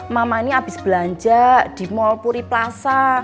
mama ini habis belanja di mall puri plaza